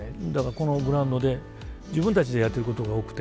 このグラウンドで自分たちでやってることが多くて。